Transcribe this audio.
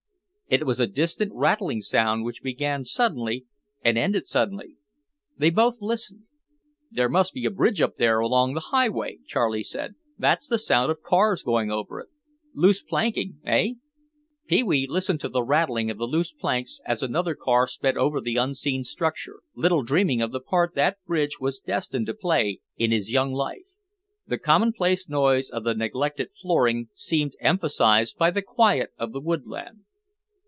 It was a distant rattling sound which began suddenly and ended suddenly. They both listened. "There must be a bridge up there along the highway," Charlie said; "that's the sound of cars going over it. Loose planking, hey?" Pee wee listened to the rattling of the loose planks as another car sped over the unseen structure, little dreaming of the part that bridge was destined to play in his young life. The commonplace noise of the neglected flooring seemed emphasized by the quiet of the woodland.